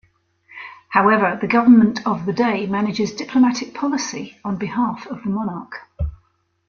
However, the government of the day manages diplomatic policy on behalf of the monarch.